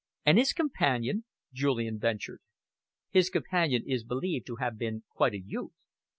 "And his companion?" Julian ventured. "His companion is believed to have been quite a youth.